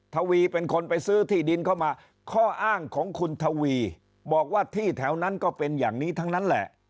ทวีเป็นคนไปซื้อที่ดินเข้ามาข้ออ้างของคุณทวีบอกว่าที่แถวนั้นก็เป็นอย่างนี้ทั้งนั้นแหละ